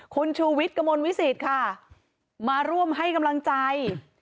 คุณชูวิทย์กระมวลวิสิตค่ะมาร่วมให้กำลังใจ